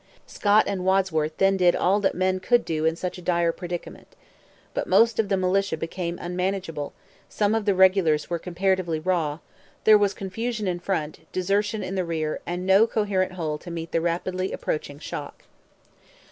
Scott and Wadsworth then did all that men could do in such a dire predicament. But most of the militia became unmanageable, some of the regulars were comparatively raw; there was confusion in front, desertion in the rear, and no coherent whole to meet the rapidly approaching shock.